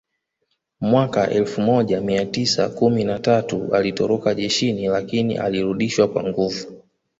Mwaka elfu moja mia tisa kumi na tatu alitoroka jeshini lakini alirudishwa kwa nguvu